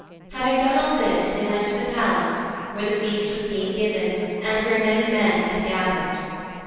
Having done all this they went to the palace where the feast was being given and where many men had gathered.